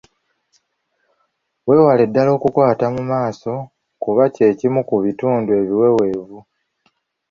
Weewalire ddala okwekwata mu maaso kubanga kimu ku bitundu ebiweweevu.